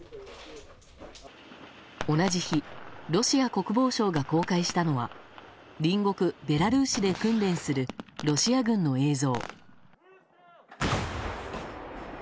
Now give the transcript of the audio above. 同じ日、ロシア国防省が公開したのは隣国ベラルーシで訓練するロシア軍の映像。